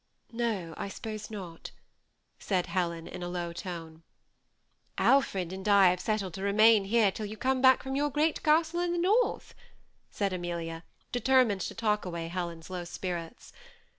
" No, I suppose not," said Helen, in a low tone. '^ Alfred and I have settled to remain here till you come back from your great castle in the north," said Amelia, determined to talk away Helen's low spirits.